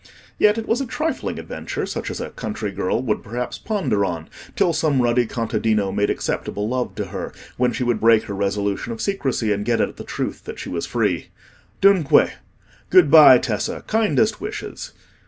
Yet it was a trifling adventure such as a country girl would perhaps ponder on till some ruddy contadino made acceptable love to her, when she would break her resolution of secrecy and get at the truth that she was free. Dunque—good bye, Tessa! kindest wishes!